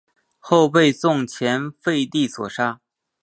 后被宋前废帝所杀。